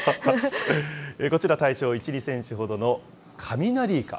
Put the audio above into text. こちら体長１、２センチほどのカミナリイカ。